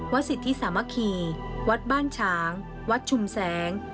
สิทธิสามัคคีวัดบ้านฉางวัดชุมแสง